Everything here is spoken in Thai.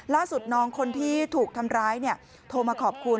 ล่าสุดน้องคนที่ถูกทำร้ายโทรมาขอบคุณ